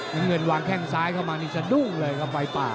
เหงื่อนวางแข่งซ้ายเข้ามานี่จะดุ้งเลยกับไฟบ้า